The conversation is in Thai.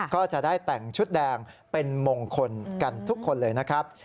ก็จะได้แต่งชุดแดงเป็นมงคลกันทุกคนเลยนะครับ